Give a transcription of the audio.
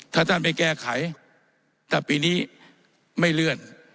ถ้าท่านไม่แก้ไขแต่ปีนี้ไม่เลื่อน